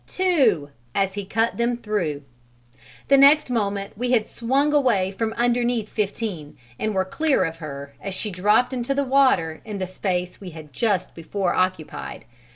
Two!" as he cut them through. The next moment we had swung away from underneath 15, and were clear of her as she dropped into the water in the space we had just before occupied.